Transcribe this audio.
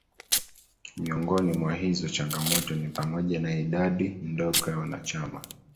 Miongoni mwa hizo changamoto ni pamoja na idadi ndogo ya wanachama